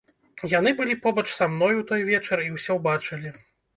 Яны былі побач са мной у той вечар і ўсё бачылі.